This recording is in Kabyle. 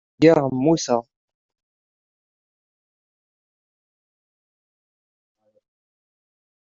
Urgaɣ mmuteɣ.